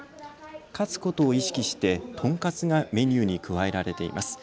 勝つことを意識してとんかつがメニューに加えられています。